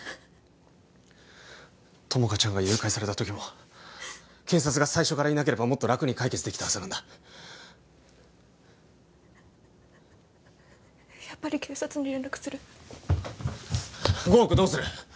友果ちゃんが誘拐された時も警察が最初からいなければもっと楽に解決できたはずなんだやっぱり警察に連絡する５億どうする？